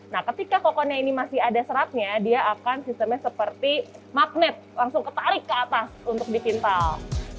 nah ketika kokonnya ini masih ada seratnya dia akan sistemnya seperti magnet langsung ketarik ke atas untuk dipintal